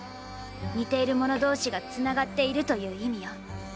似ているもの同士がつながっているという意味よ。